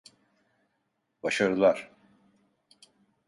Başarılar.